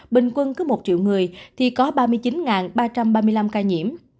bình quân cứ một triệu người thì có ba mươi chín ba trăm ba mươi năm ca nhiễm